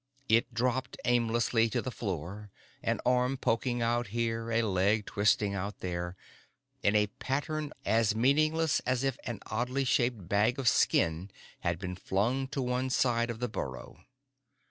It dropped aimlessly to the floor, an arm poking out here, a leg twisting out there, in a pattern as meaningless as if an oddly shaped bag of skin had been flung to one side of the burrow.